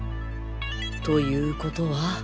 ということは？